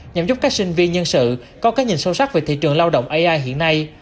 nhằm giúp các sinh viên nhân sự có cái nhìn sâu sắc về thị trường lao động ai hiện nay